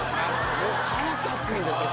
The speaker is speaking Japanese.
もう腹立つんですよ